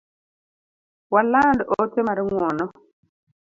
Waland ote mar ng’uono